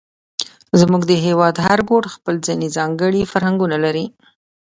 زموږ د هېواد هر ګوټ خپل ځېنې ځانګړي فرهنګونه لري،